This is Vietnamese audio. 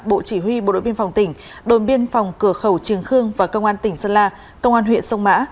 bộ chỉ huy bộ đội biên phòng tỉnh đồn biên phòng cửa khẩu trường khương và công an tỉnh sơn la công an huyện sông mã